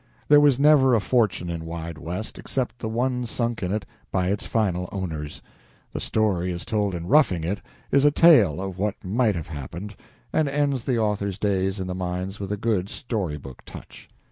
There was never a fortune in "Wide West," except the one sunk in it by its final owners. The story as told in "Roughing It" is a tale of what might have happened, and ends the author's days in the mines with a good story book touch.